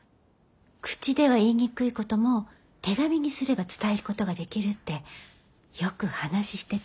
口では言いにくいことも手紙にすれば伝えることができるってよく話してた。